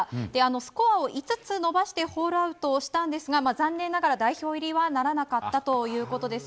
スコアを５つ伸ばしてホールアウトをしたんですが残念ながら代表入りはならなかったということです。